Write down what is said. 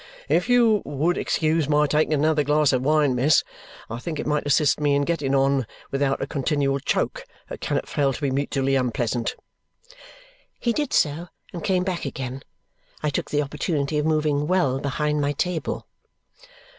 "If you would excuse my taking another glass of wine, miss, I think it might assist me in getting on without a continual choke that cannot fail to be mutually unpleasant." He did so, and came back again. I took the opportunity of moving well behind my table.